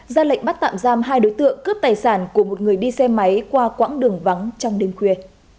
ra lệnh bắt tạm giam hai đối tượng cướp tài sản của một người đi xe máy qua quãng đường vắng trong đêm khuya